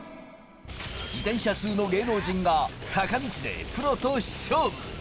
自転車通の芸能人が坂道でプロと勝負！